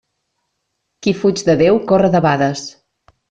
Qui fuig de Déu corre debades.